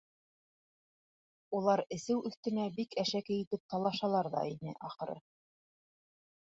Улар эсеү өҫтөнә бик әшәке итеп талашалар ҙа ине ахыры.